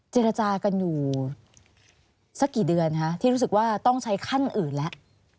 เจรจากันอยู่สักกี่เดือนคะที่รู้สึกว่าต้องใช้ขั้นอื่นแล้ว